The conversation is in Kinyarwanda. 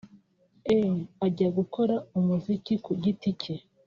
E ajya gukora umuziki ku giti cye